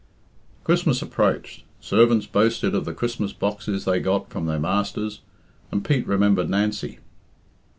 Christmas approached, servants boasted of the Christmas boxes they got from their masters, and Pete remembered Nancy.